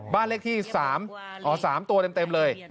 บ้านเลขที่๓ตัวเต็มเลย